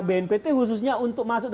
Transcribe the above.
bnpt khususnya untuk masuk